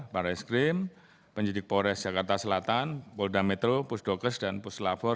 baris krim penyidik pores jakarta selatan polda metro pusdokes dan puslavor